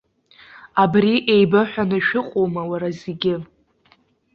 Абри еибыҳәаны шәыҟоума, уара, зегьы!